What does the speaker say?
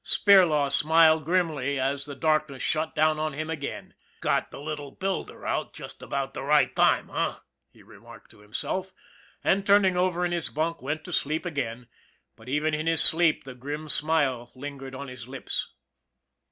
Spirlaw smiled grimly as the darkness shut down on him again. " Got the little builder out just about the right time, h'm? " he remarked to himself; and, turning over in his bunk, went to sleep again but even in his sleep the grim smile lingered on his lips.